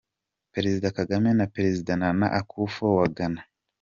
Perezida Kagame na Perezida Nana Akufo wa Ghana.